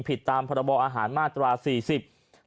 ผิดตามพระบออาหารมาตรวจ๔๐